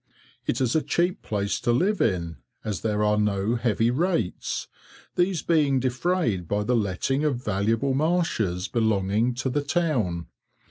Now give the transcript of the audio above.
It is a cheap place to live in, as there are no heavy rates, these being defrayed by the letting of valuable marshes belonging to the town.